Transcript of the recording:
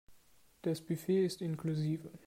Das Buffet ist inklusive.